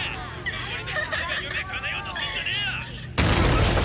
「それでお前が夢かなえようとしてんじゃねえよ！」